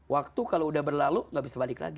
waktu kalau udah berlalu nggak bisa balik lagi